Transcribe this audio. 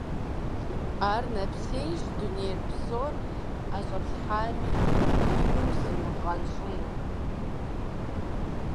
Ар нэпсейщ, дуней псор ӀэщӀэплъхьами и гум зимыгъэнщӀыну.